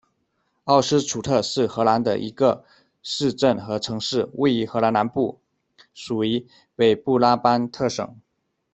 奥斯楚特是荷兰的一个市镇和城市，位于荷兰南部，属于北布拉班特省。